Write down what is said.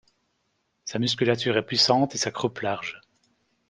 Sa musculature est puissante et sa croupe large.